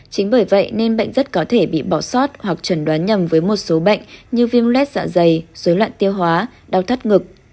chính bởi vậy nên bệnh rất có thể bị bỏ sót hoặc trần đoán nhầm với một số bệnh như viêm lết dạ dày dối loạn tiêu hóa đau thắt ngực